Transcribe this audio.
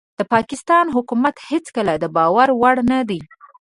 د پاکستان حکومت هيڅکله دباور وړ نه دي